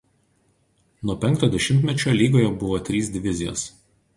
Nuo penkto dešimtmečio lygoje buvo tris divizijos.